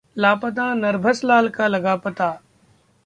लापता नरभसलाल का लगा पता